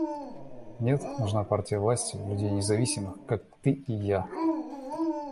Нет, нужна партия власти людей независимых, как ты и я.